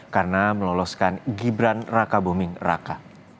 karena meloloskan gibran raka buming raka